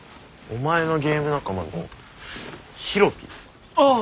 お前のゲーム仲間のヒロピー。